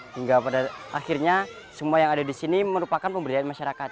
hingga pada akhirnya semua yang ada di sini merupakan pemberdayaan masyarakat